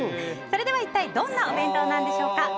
それでは一体どんなお弁当なんでしょうか。